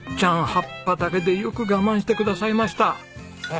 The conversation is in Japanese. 葉っぱだけでよく我慢してくださいました。